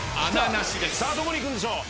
どこに行くんでしょう？